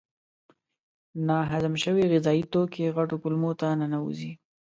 ناهضم شوي غذایي توکي غټو کولمو ته ننوزي.